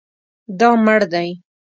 دا مړ دی